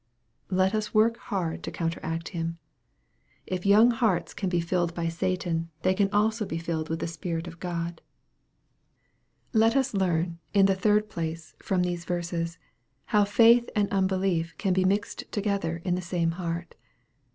Let us work hard to counteract him. If young hearts can be filled by Satan, they can also be filled with the Spirit of God MARK, CHAP. IX. 183 Let us learn, in the third place, from these verses, how faith and unbelief can be mixed together in the samt heart.